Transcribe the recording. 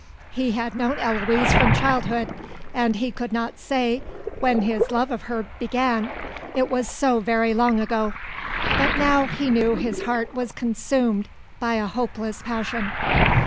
He had known Eloise from childhood, and he could not say when his love of her began, it was so very long ago; but now he knew his heart was consumed by a hopeless passion.